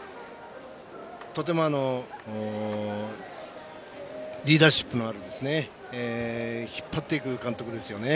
とてもリーダーシップのある引っ張っていく監督ですよね。